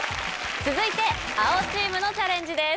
続いて青チームのチャレンジです。